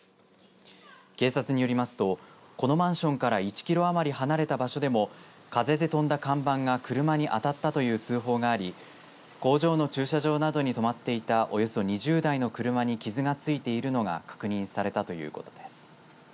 警察によりますとこのマンションから１キロ余り離れた場所でも風で飛んだ看板が車に当たったという通報があり工場の駐車場などに止まっていたおよそ２０台の車に傷が付いているのが確認されたということです。